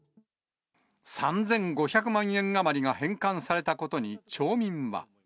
３５００万円余りが返還されたことに町民は。